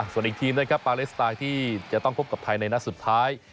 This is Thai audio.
ส่วนอีกทีมนะครับปาเลสไตล์ที่จะต้องพบกับไทยในนัดสุดท้าย